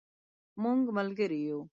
مونږ ملګری یو